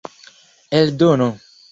eldono